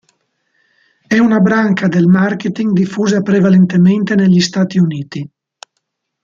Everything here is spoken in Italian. È una branca del marketing diffusa prevalentemente negli Stati Uniti.